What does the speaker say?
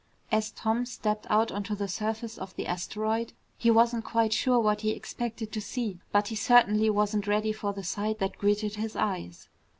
As Tom stepped out onto the surface of the asteroid he wasn't quite sure what he expected to see, but he certainly wasn't ready for the sight that greeted his eyes.